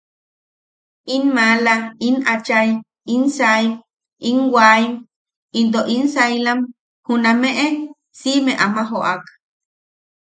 In maala, in achai, in saim, in waaim, into in sailam junameʼe siʼime ama joʼak.